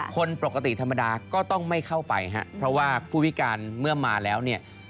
คนปกติธรรมดาก็ต้องไม่เข้าไปฮะเพราะว่าผู้พิการเมื่อมาแล้วเนี่ย